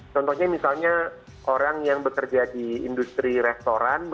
contohnya misalnya orang yang bekerja di industri restoran